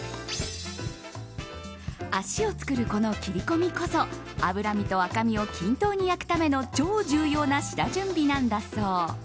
足を作るこの切り込みこそ脂身と赤身を均等に焼くための超重要な下準備なんだそう。